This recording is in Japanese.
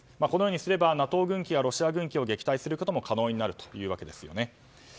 このようにすればＮＡＴＯ軍機がロシア軍機を撃退することも可能になるというわけですよね。